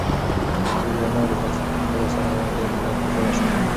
سړی د درملو د پلاستیک په موندلو سره ډېر زیات خوشحاله شو.